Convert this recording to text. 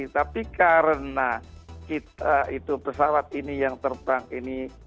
tapi karena kita itu pesawat ini yang terbang ini